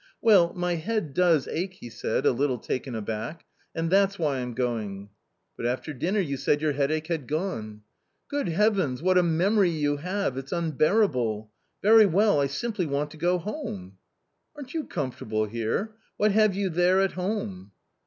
"Well, my head does ache," he said, a little taken aback, " and that's why I am going." " But after dinner you said your headache had gone." " Good Heavens, what a memory you have ! It's unbear able ! Very well, I simply want to go home." " Aren't you comfortable here ? What have you there, at home?"